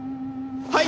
はい！